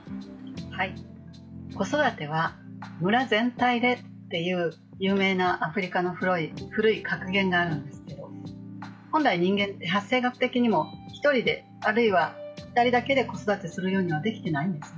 子育ては村全体でという有名なアフリカの古い格言があるんですけど、本来人間って発生学的にも１人で、あるいは２人で子育てするようにはできていないんです。